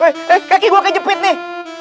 eh kaki gue kejepit nih